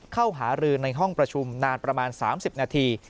เข้าหารือในห้องประชุมนานประมาณ๓๐นาที